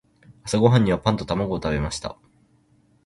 朝ごはんにはパンと卵を食べました。